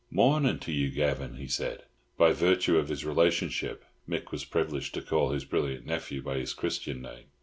"Mornin' to you, Gavan," he said. By virtue of his relationship Mick was privileged to call his brilliant nephew by his Christian name.